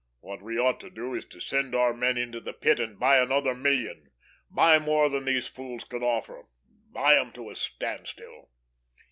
What we ought to do is to send our men into the Pit and buy another million, buy more than these fools can offer. Buy 'em to a standstill."